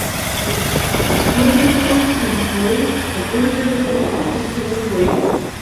Сгәыдылкылоит, сылгәӡуеит, агәырӷьа-лаӷырӡы салыргоит.